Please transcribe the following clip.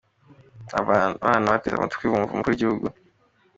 Abana baba bateze amatwi bumva umukuru w'igihugu.